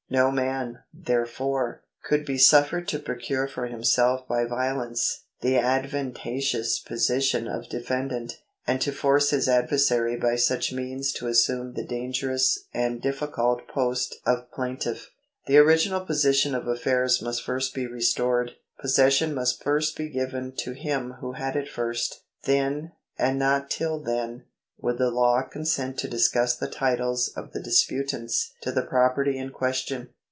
No man, therefore, could be suffered to procure for him self by violence the advantageous position of defendant, and to force his adversary by such means to assume the dangerous § 107] POSSESSION 269 and difficult post of plaintiff. The original position of affairs must first be restored ; possession must first be given to him who had it first ; then, and not till then, would the law con sent to discuss the titles of the disputants to the property in question.